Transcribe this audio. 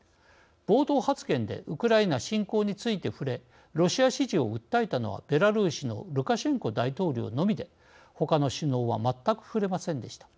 冒頭発言でウクライナ侵攻について触れロシア支持を訴えたのはベラルーシのルカシェンコ大統領のみでほかの首脳は全く触れませんでした。